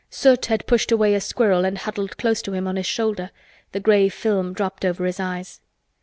Soot had pushed away a squirrel and huddled close to him on his shoulder, the gray film dropped over his eyes.